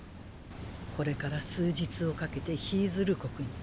これから数日をかけてヒィズル国に。